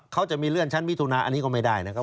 เขาจะมีเลื่อนชั้นมิถุนาอันนี้ก็ไม่ได้นะครับ